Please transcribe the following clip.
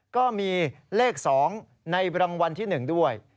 ก็มีเลข๒ในรางวัลที่๑ด้วย